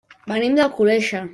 Venim d'Alcoleja.